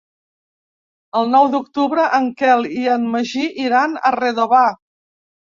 El nou d'octubre en Quel i en Magí iran a Redovà.